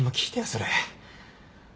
それ。